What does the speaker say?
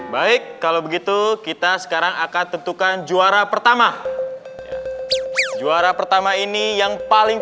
baik kalau begitu kita sekarang akan tentukan juara pertama juara pertama ini yang paling